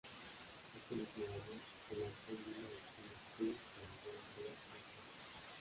En este mismo año, se lanzó Minna de Puyo Puyo para Game Boy Advance.